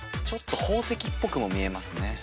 ちょっと宝石っぽくも見えますね。